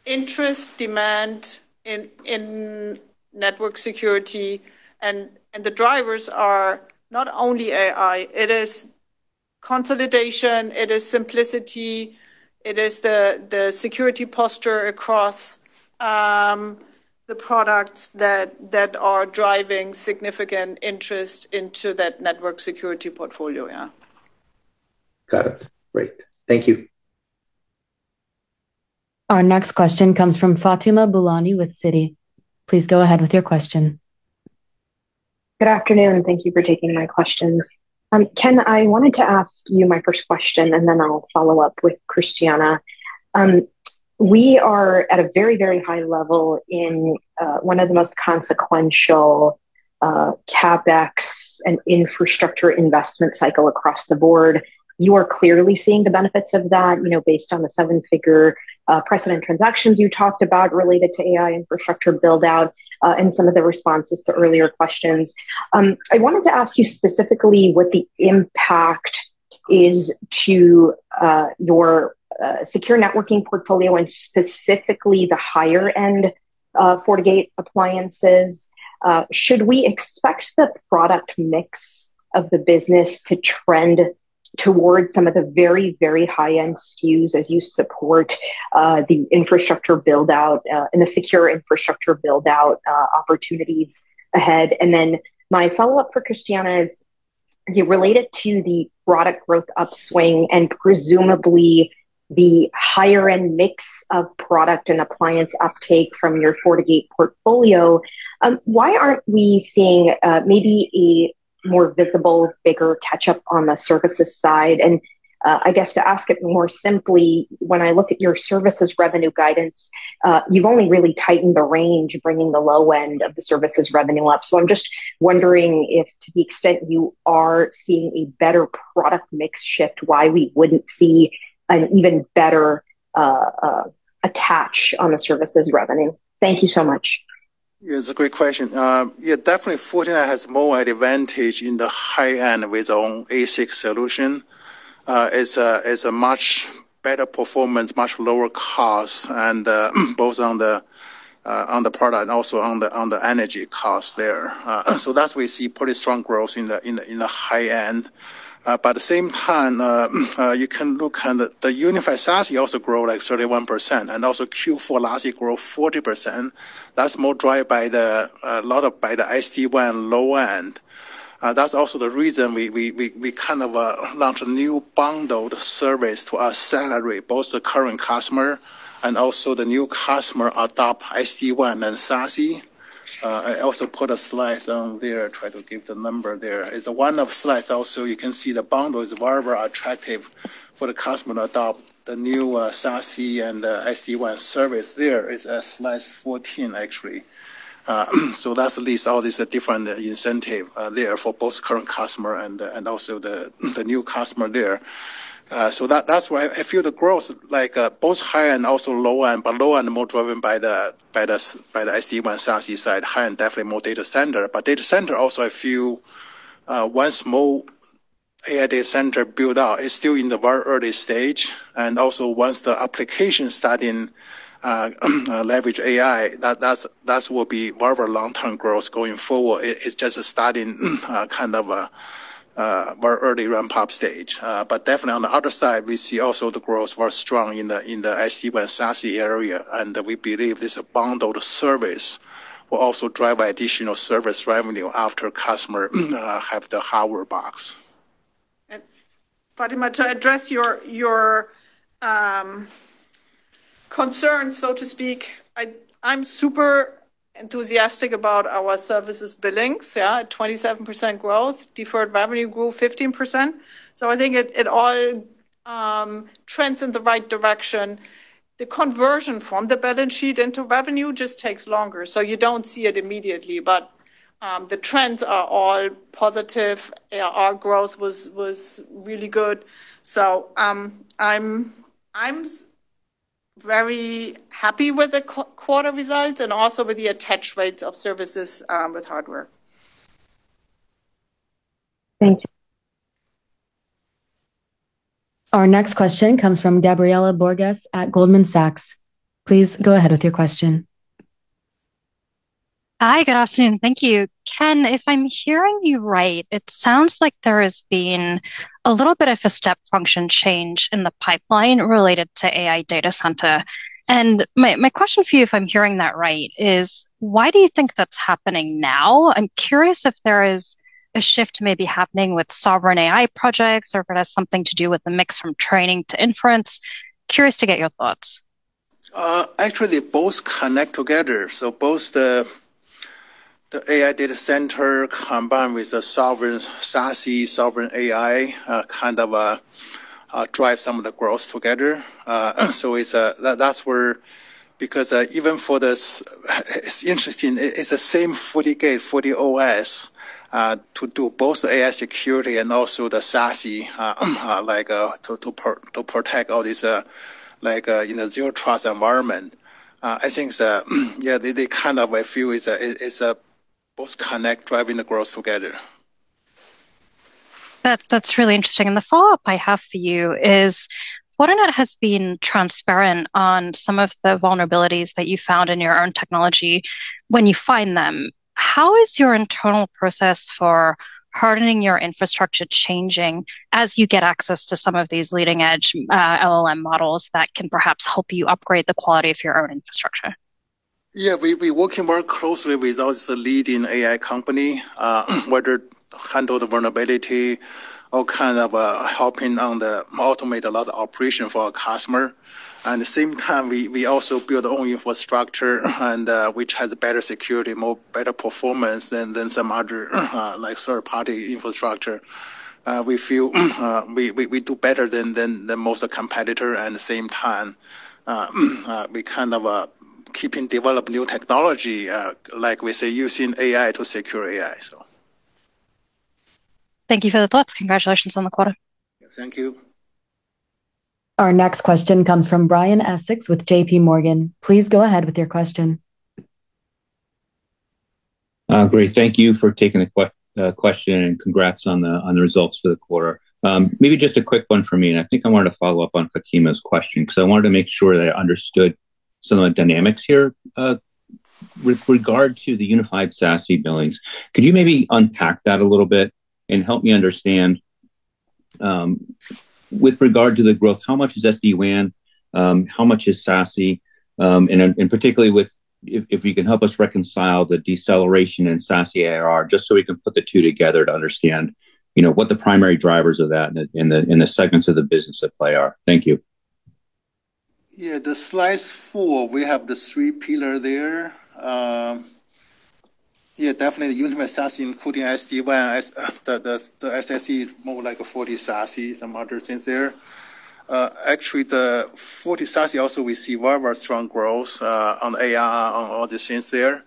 interest demand in network security and the drivers are not only AI. It is consolidation, it is simplicity. The products that are driving significant interest into that network security portfolio, yeah. Got it. Great. Thank you. Our next question comes from Fatima Boolani with Citi. Please go ahead with your question. Good afternoon, and thank you for taking my questions. Ken, I wanted to ask you my first question, and then I'll follow up with Christiane. We are at a very, very high level in one of the most consequential CapEx and infrastructure investment cycle across the board. You are clearly seeing the benefits of that, you know, based on the 7-figure precedent transactions you talked about related to AI infrastructure build-out and some of the responses to earlier questions. I wanted to ask you specifically what the impact is to your Secure Networking portfolio and specifically the higher-end FortiGate appliances. Should we expect the product mix of the business to trend towards some of the very, very high-end SKUs as you support the infrastructure build-out and the secure infrastructure build-out opportunities ahead? My follow-up for Christiane is, related to the product growth upswing and presumably the higher-end mix of product and appliance uptake from your FortiGate portfolio, why aren't we seeing maybe a more visible, bigger catch-up on the services side? I guess to ask it more simply, when I look at your services revenue guidance, you've only really tightened the range, bringing the low end of the services revenue up. I'm just wondering if, to the extent you are seeing a better product mix shift, why we wouldn't see an even better attach on the services revenue. Thank you so much. It's a great question. Definitely Fortinet has more advantage in the high end with our own ASIC solution. It's a much better performance, much lower cost, and both on the product, also on the energy cost there. That we see pretty strong growth in the high end. At the same time, you can look on the Unified SASE also grow, like, 31%, and also Q4 SASE grow 40%. That's more drive a lot of by the SD-WAN low end. That's also the reason we kind of launch a new bundled service to accelerate both the current customer and also the new customer adopt SD-WAN and SASE. I also put a slide on there, try to give the number there. Is one of slides also you can see the bundle is very, very attractive for the customer to adopt the new SASE and SD-WAN service. There is slide 14, actually. So that lists all these different incentive there for both current customer and also the new customer there. So that's why I feel the growth, like, both high and also low end, but low end more driven by the SD-WAN SASE side. High-end definitely more data center. Data center also I feel, once more AI data center build out, it's still in the very early stage. Also once the application starting leverage AI, that's, that will be very long-term growth going forward. It is just starting, kind of very early ramp-up stage. Definitely on the other side, we see also the growth very strong in the SD-WAN SASE area, and we believe this bundled service will also drive additional service revenue after customer have the hardware box. Fatima, to address your concern, so to speak, I'm super enthusiastic about our services billings, yeah. 27% growth. Deferred revenue grew 15%. I think it all trends in the right direction. The conversion from the balance sheet into revenue just takes longer, so you don't see it immediately. The trends are all positive. Our growth was really good. I'm very happy with the quarter results and also with the attach rates of services with hardware. Thank you. Our next question comes from Gabriela Borges at Goldman Sachs. Please go ahead with your question. Hi. Good afternoon. Thank you. Ken, if I'm hearing you right, it sounds like there has been a little bit of a step function change in the pipeline related to AI data center. My, my question for you, if I'm hearing that right, is why do you think that's happening now? I'm curious if there is a shift maybe happening with sovereign AI projects or if it has something to do with the mix from training to inference. Curious to get your thoughts. Actually both connect together. Both the AI data center combined with the sovereign SASE, sovereign AI, kind of drive some of the growth together. It's where It's interesting. It's the same FortiGate FortiOS to do both AI security and also the SASE, like, to protect all this, you know, Zero Trust environment. I think, kind of I feel it's both connect, driving the growth together. That's really interesting. The follow-up I have for you is Fortinet has been transparent on some of the vulnerabilities that you found in your own technology when you find them. How is your internal process for hardening your infrastructure changing as you get access to some of these leading-edge LLM models that can perhaps help you upgrade the quality of your own infrastructure? We working very closely with those leading AI company, whether handle the vulnerability or kind of, helping on the automate a lot of operation for our customer. At the same time, we also build our own infrastructure and which has a better security, more better performance than some other, like third-party infrastructure. We feel we do better than most competitor. At the same time, we kind of, keeping developing new technology, like we say, using AI to secure AI. Thank you for the thoughts. Congratulations on the quarter. Thank you. Our next question comes from Brian Essex with JPMorgan. Please go ahead with your question. Great. Thank you for taking the question, Congrats on the results for the quarter. Maybe just a quick one from me, I think I wanted to follow up on Fatima's question, because I wanted to make sure that I understood some of the dynamics here. With regard to the Unified SASE billings, could you maybe unpack that a little bit and help me understand, with regard to the growth, how much is SD-WAN? How much is SASE? Particularly if you can help us reconcile the deceleration in SASE ARR just so we can put the two together to understand, you know, what the primary drivers of that in the segments of the business at play are. Thank you. The slide four, we have the three pillar there. Yeah, definitely the Unified SASE, including SD-WAN the SSE is more like a FortiSASE, some other things there. Actually the FortiSASE also we see very, very strong growth on ARR on all the things there.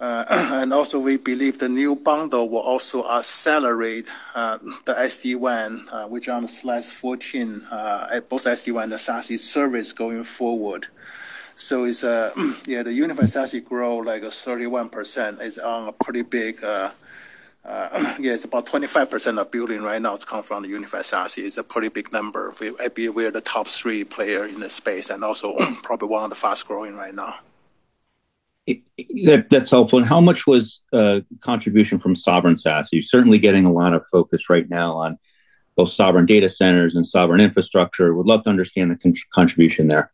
And also we believe the new bundle will also accelerate the SD-WAN, which on slide 14, both SD-WAN, the SASE service going forward. It's, yeah, the Unified SASE grow like a 31%. It's pretty big. Yeah, it's about 25% of billing right now is coming from the Unified SASE. It's a pretty big number. I believe we are the top-three player in this space and also probably one of the fast-growing right now. That's helpful. How much was contribution from sovereign SASE? Certainly getting a lot of focus right now on both sovereign data centers and sovereign infrastructure. Would love to understand the contribution there.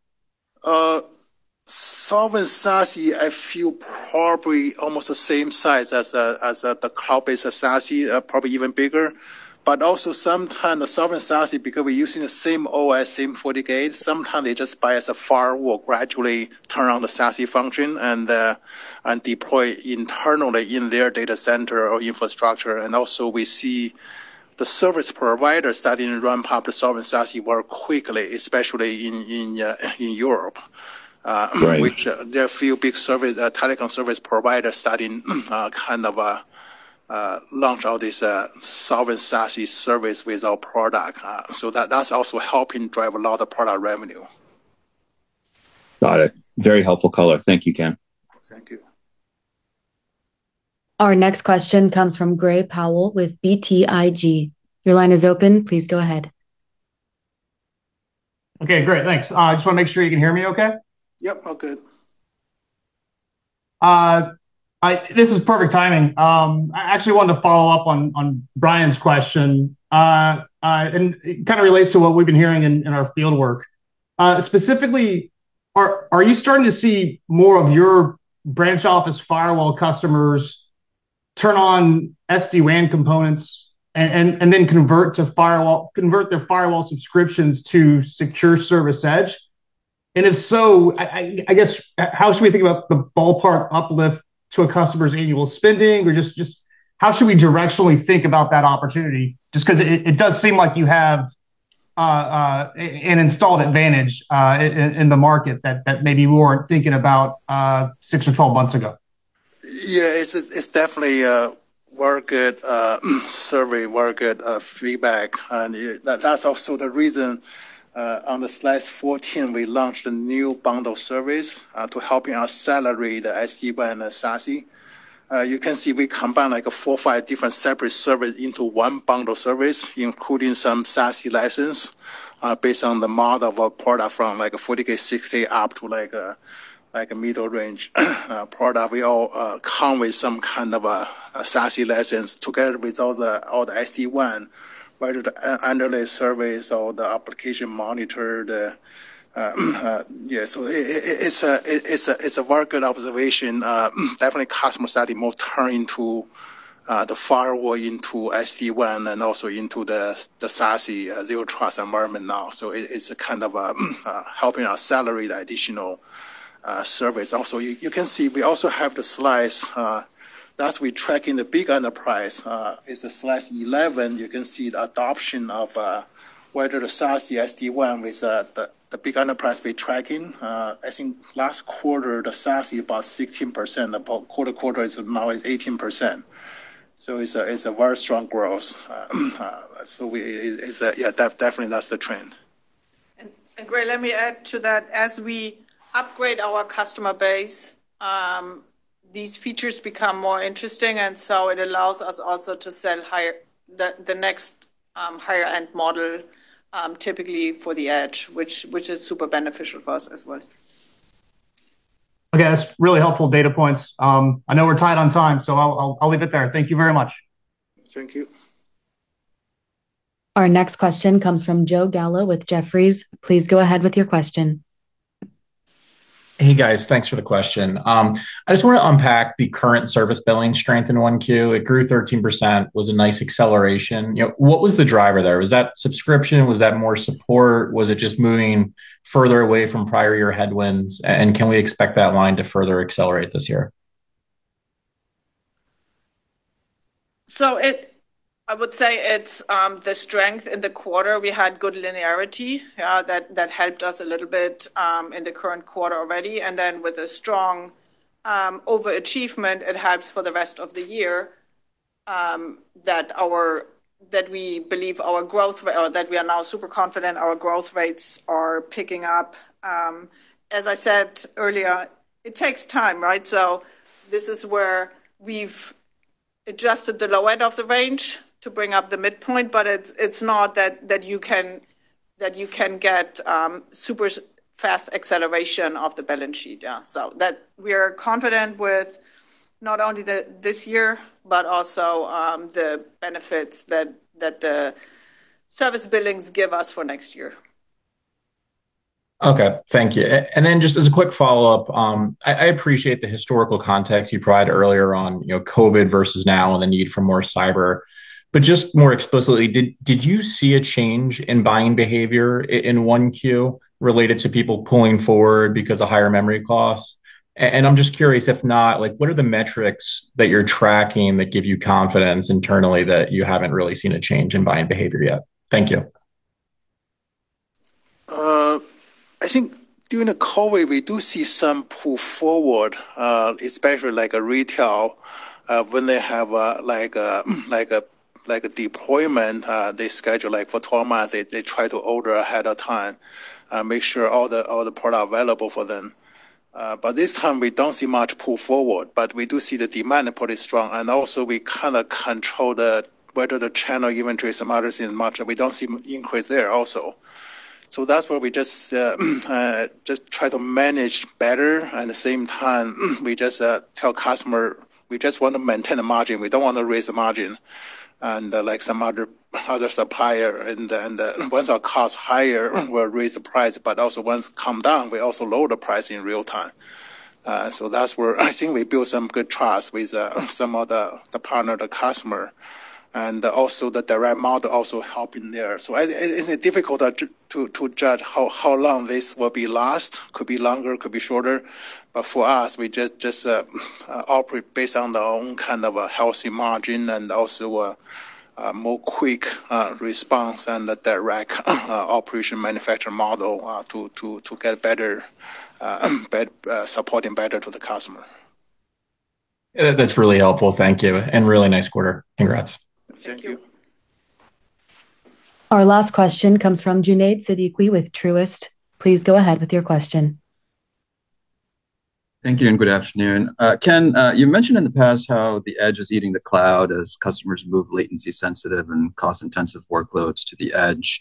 Sovereign SASE, I feel probably almost the same size as the cloud-based SASE, probably even bigger. Also sometime the sovereign SASE, because we're using the same OS, same FortiGate, sometime they just buy as a firewall, gradually turn on the SASE function and deploy internally in their data center or infrastructure. Also we see the service provider starting to run public sovereign SASE very quickly, especially in Europe. Right. Which there are a few big service, telecom service provider starting, kind of, launch all this sovereign SASE service with our product. That's also helping drive a lot of product revenue. Got it. Very helpful color. Thank you, Ken. Thank you. Our next question comes from Gray Powell with BTIG. Your line is open. Please go ahead. Okay, great. Thanks. I just want to make sure you can hear me okay? Yep, all good. This is perfect timing. I actually wanted to follow up on Brian's question. It kind of relates to what we've been hearing in our field work. Specifically, are you starting to see more of your branch office firewall customers turn on SD-WAN components and then convert to convert their firewall subscriptions to Secure Service Edge? If so, I guess, how should we think about the ballpark uplift to a customer's annual spending? Or just how should we directionally think about that opportunity? Just because it does seem like you have an installed advantage in the market that maybe you weren't thinking about six or 12 months ago. Yeah. It's definitely a very good survey, very good feedback. That's also the reason, on slide 14, we launched a new bundle service to helping accelerate the SD-WAN and the SASE. You can see we combine like a four, five different separate service into one bundle service, including some SASE license, based on the model of a product from like a FortiGate 60 up to like a middle range product. We all come with some kind of a SASE license together with all the SD-WAN, whether the underlay service or the application monitor, Yeah. It's a very good observation. Definitely customer starting more turn into the firewall into SD-WAN and also into the SASE Zero Trust environment now. It is a kind of helping us accelerate the additional service. Also, you can see we also have the slides that we're tracking the big enterprise. It's the slide 11. You can see the adoption of whether the SASE SD-WAN with the big enterprise we're tracking. I think last quarter, the SASE about 16%. About quarter-to-quarter is now 18%. It's a very strong growth. Yeah, definitely, that's the trend. Gray, let me add to that. As we upgrade our customer base, these features become more interesting, and so it allows us also to sell higher the next higher end model, typically for the edge, which is super beneficial for us as well. Okay. That's really helpful data points. I know we're tight on time, I'll leave it there. Thank you very much. Thank you. Our next question comes from Joe Gallo with Jefferies. Please go ahead with your question. Hey, guys. Thanks for the question. I just want to unpack the current service billing strength in one Q. It grew 13%, was a nice acceleration. You know, what was the driver there? Was that subscription? Was that more support? Was it just moving further away from prior year headwinds? And can we expect that line to further accelerate this year? I would say it's the strength in the quarter. We had good linearity that helped us a little bit in the current quarter already. With a strong overachievement, it helps for the rest of the year that we are now super confident our growth rates are picking up. As I said earlier, it takes time, right? This is where we've adjusted the low end of the range to bring up the midpoint, but it's not that you can get super fast acceleration of the balance sheet. Yeah. That we are confident with not only the this year, but also the benefits that the service billings give us for next year. Okay. Thank you. Then just as a quick follow-up, I appreciate the historical context you provided earlier on, you know, COVID versus now and the need for more cyber. Just more explicitly, did you see a change in buying behavior in 1Q related to people pulling forward because of higher memory costs? I'm just curious, if not, like, what are the metrics that you're tracking that give you confidence internally that you haven't really seen a change in buying behavior yet? Thank you. I think during the COVID, we do see some pull forward, especially like a retail, when they have, like a deployment, they schedule, like, for 12 months, they try to order ahead of time, make sure all the product available for them. This time we don't see much pull forward, but we do see the demand pretty strong. We kind of control the whether the channel inventory is modest in the market. We don't see increase there also. That's where we just try to manage better. At the same time, we just, tell customer we just want to maintain the margin. We don't want to raise the margin. Like some other supplier, once our cost higher, we'll raise the price, but also once come down, we also lower the price in real time. That's where I think we build some good trust with some of the partner, the customer, and also the direct model also help in there. It's difficult to judge how long this will be last. Could be longer, could be shorter. For us, we just operate based on our own kind of a healthy margin and also a more quick response and the direct operation manufacture model to get supporting better to the customer. That's really helpful. Thank you. Really nice quarter. Congrats. Thank you. Our last question comes from Junaid Siddiqui with Truist. Please go ahead with your question. Thank you, and good afternoon. Ken, you mentioned in the past how the edge is eating the cloud as customers move latency sensitive and cost-intensive workloads to the edge.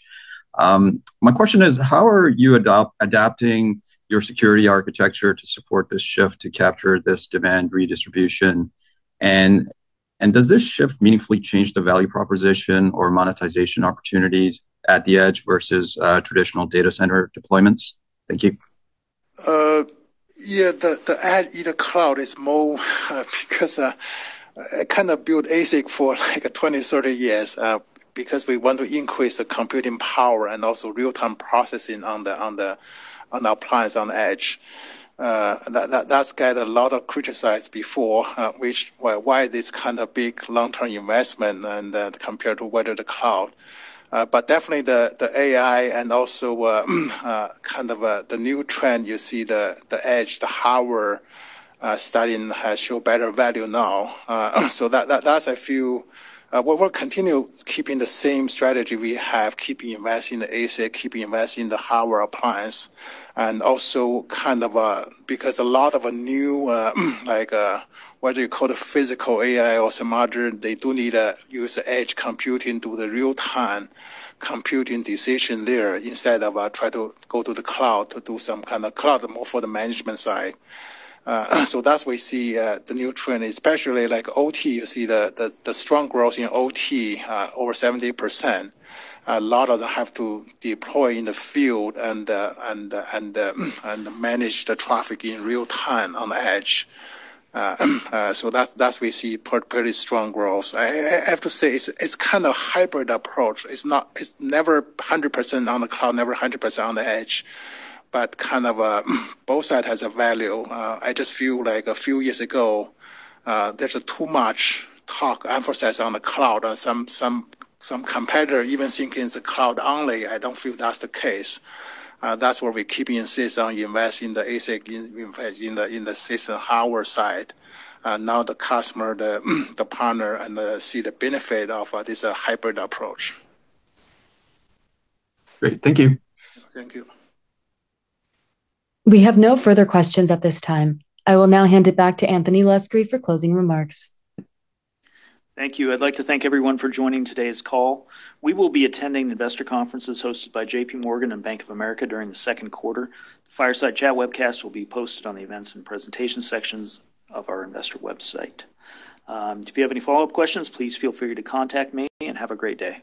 My question is, how are you adapting your security architecture to support this shift to capture this demand redistribution? Does this shift meaningfully change the value proposition or monetization opportunities at the edge versus traditional data center deployments? Thank you. Yeah, the edge at the cloud is more, because I kind of built ASIC for like 20, 30 years, because we want to increase the computing power and also real-time processing on the appliance on edge. That's got a lot of criticized before, which why this kind of big long-term investment compared to whether the cloud. Definitely the AI and also kind of the new trend you see the edge, the hardware, starting has shown better value now. That's a few. We will continue keeping the same strategy we have, keeping investing in the ASIC, keeping investing in the hardware appliance. Also kind of, because a lot of a new, like, what do you call it? Physical AI or some module, they do need use the edge computing, do the real-time computing decision there instead of try to go to the cloud to do some kind of cloud more for the management side. That's we see the new trend, especially like OT. You see the strong growth in OT, over 70%. A lot of that have to deploy in the field and manage the traffic in real time on the edge. That's we see pretty strong growth. I have to say it's kind of hybrid approach. It's never 100% on the cloud, never 100% on the edge, but kind of both side has a value. I just feel like a few years ago, there's a too much talk emphasis on the cloud and some competitor even think it's a cloud only. I don't feel that's the case. That's where we keeping insist on investing the ASIC, invest in the system hardware side. Now the customer, the partner and, see the benefit of this hybrid approach. Great. Thank you. Thank you. We have no further questions at this time. I will now hand it back to Anthony Luscri for closing remarks. Thank you. I'd like to thank everyone for joining today's call. We will be attending investor conferences hosted by JPMorgan and Bank of America during the second quarter. The Fireside Chat webcast will be posted on the Events and Presentation sections of our investor website. If you have any follow-up questions, please feel free to contact me, and have a great day.